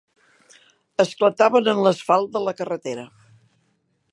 Esclataven en l'asfalt de la carretera.